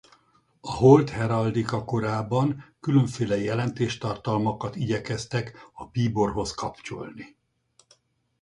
A holt heraldika korában különféle jelentéstartalmakat igyekeztek a bíborhoz kapcsolni.